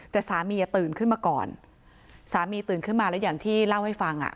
แต่สามีอ่ะตื่นขึ้นมาก่อนสามีตื่นขึ้นมาแล้วอย่างที่เล่าให้ฟังอ่ะ